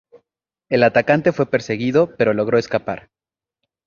El atacante fue perseguido pero logró escapar.